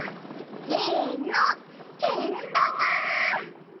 せのけんだま！